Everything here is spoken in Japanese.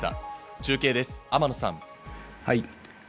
中継です、天野さん。